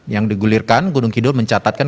yang digulirkan gunung kidul mencatatkan